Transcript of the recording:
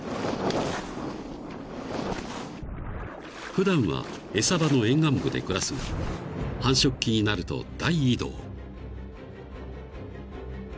［普段は餌場の沿岸部で暮らすが繁殖期になると大移動］